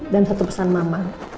dan satu pesan mama